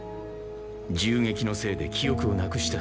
銃撃のせいで記憶をなくした。